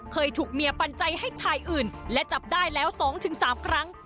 เคยถูกเมียปันใจให้ชายอื่นและจับได้แล้ว๒๓ครั้ง